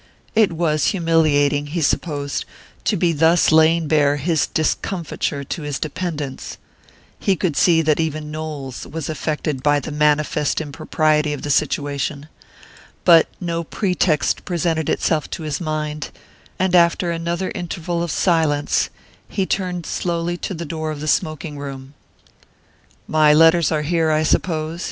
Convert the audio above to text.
It was humiliating, he supposed, to be thus laying bare his discomfiture to his dependents he could see that even Knowles was affected by the manifest impropriety of the situation but no pretext presented itself to his mind, and after another interval of silence he turned slowly toward the door of the smoking room. "My letters are here, I suppose?"